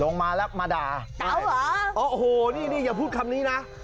ลงมาแล้วมาด่าเอาเหรอโอ้โหนี่นี่อย่าพูดคำนี้นะ